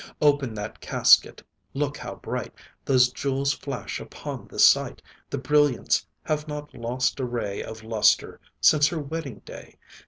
Open that casket look how bright Those jewels flash upon the sight; The brilliants have not lost a ray Of lustre, since her wedding day.